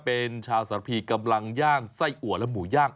เป็นชาวสรรพีกำลังย่างไส้อัวและหมูย่าง